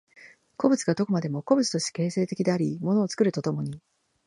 個物がどこまでも個物として形成的であり物を作ると共に、